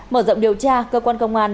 mở rộng điều tra cơ quan công an